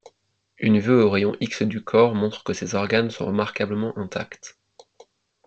Une vue aux rayon X du corps montre que ses organes sont remarquablement intacts.